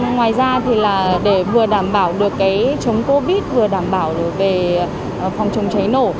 ngoài ra thì là để vừa đảm bảo được cái chống covid vừa đảm bảo về phòng chống cháy nổ